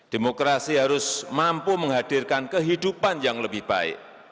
demokrasi harus mampu menghadirkan kehidupan yang lebih baik